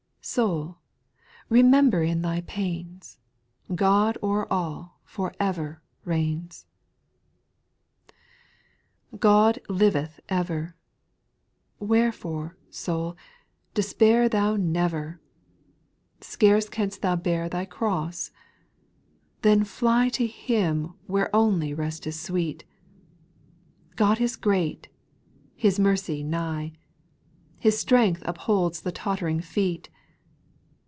Soul, remember in thy pains, God o'er all for ever reigns I 4. God liveth ever I Wherefore, soul, despair thou never ! Scarce canst thou bear thy cross ? Then fly To Him where only rest is sweet. God is great ; His mercy nigh, His strength upholds the tottering feet.